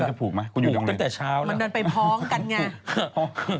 แล้วคุณจะผูกไหมคุณอยู่ด้านเลยมันเดินไปพร้อมกันไงผูก